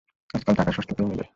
আজকাল টাকা সস্তাতেই মেলে।